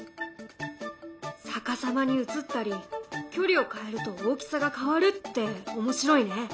逆さまに映ったり距離を変えると大きさが変わるって面白いね。